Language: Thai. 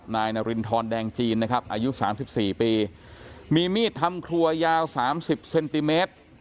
นายนารินทรแดงจีนนะครับอายุ๓๔ปีมีมีดทำครัวยาว๓๐เซนติเมตร